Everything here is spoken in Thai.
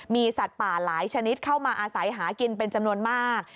มีสัตว์ป่าหลายชนิดเข้ามาอาศัยหากินเป็นจำนวนมาก